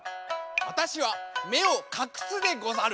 わたしはめをかくすでござる。